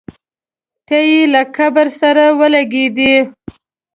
تی یې له قبر سره ولګېدی.